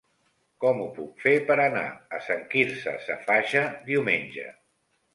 Com ho puc fer per anar a Sant Quirze Safaja diumenge?